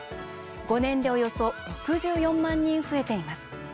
５年でおよそ６４万人増えています。